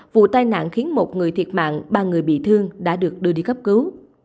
vụ tai nạn khiến một người thiệt mạng ba người bị thương đã được đưa đi cấp cứu